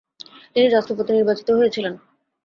তিনি রাষ্ট্রপতি নির্বাচিত হয়েছিলেন।